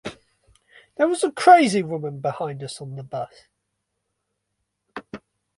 There was a crazy woman behind us on the bus.